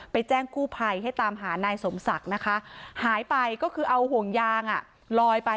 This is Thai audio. แจ้งกู้ภัยให้ตามหานายสมศักดิ์นะคะหายไปก็คือเอาห่วงยางอ่ะลอยไป